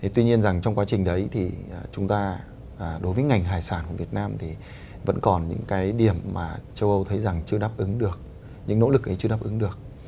tuy nhiên rằng trong quá trình đấy thì chúng ta đối với ngành hải sản của việt nam thì vẫn còn những cái điểm mà châu âu thấy rằng chưa đáp ứng được những nỗ lực ấy chưa đáp ứng được